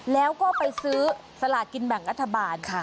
แล้วก็ไปซื้อสลากินแบ่งรัฐบาลค่ะ